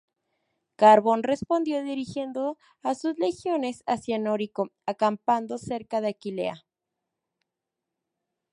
Carbón respondió dirigiendo a sus legiones hacia Nórico, acampando cerca de Aquilea.